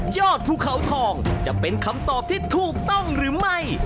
ภูเขาทองจะเป็นคำตอบที่ถูกต้องหรือไม่